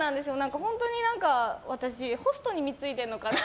本当に、私ホストに貢いでるのかなと。